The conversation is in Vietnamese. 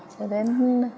cho đến hai nghìn tám